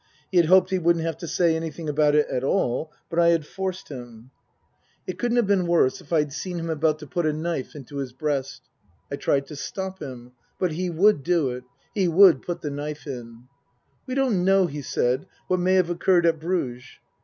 He had hoped he wouldn't have to say anything about it at all, but I had forced him. 102 Tasker Jevons It couldn't have been worse if I'd seen him about to put a knife into his breast. I tried to stop him, but he would do it, he would put the knife in. " We don't know," he said, " what may have occurred at Bruges."